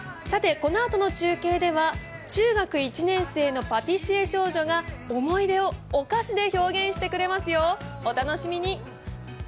このあとの中継では、中学１年生のパティシエ少女が思い出をお菓子で表現してくれますよ、お楽しみに。